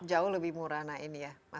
jauh lebih murah nah ini ya masa luar biasa